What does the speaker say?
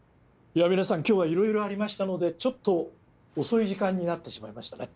では皆さん今日はいろいろありましたのでちょっと遅い時間になってしまいましたね。